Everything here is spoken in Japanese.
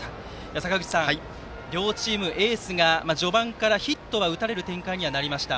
坂口さん、両チームエースが序盤からヒットは打たれる展開になりました。